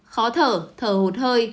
khó thở thở hột hơi